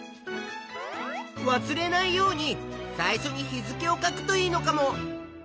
わすれないように最初に日付を書くといいのかも。